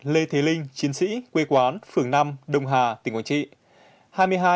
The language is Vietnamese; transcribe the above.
hai mươi một lê thế linh chiến sĩ quê quán phường năm đồng hà tỉnh quảng trị